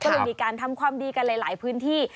ก็เลยมีการทำความดีกันหลายพื้นที่